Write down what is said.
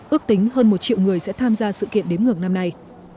ước tính hơn một triệu người sẽ tham gia sự kiện đếm ngược năm nay